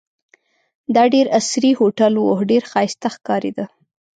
دا ډېر عصري هوټل وو، ډېر ښایسته ښکارېده.